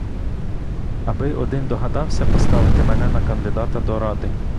Аби один догадався поставити мене на кандидата до ради!